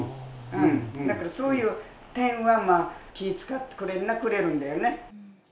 だからそういう点は気遣ってくれるにはくれるんだよね。